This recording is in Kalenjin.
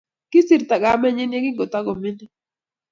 Kisirto kamennyin ye ki ngotagomining'.